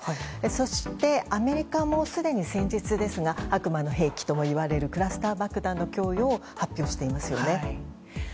そして、アメリカもすでに先日悪魔の兵器といわれるクラスター爆弾の供与を発表していますね。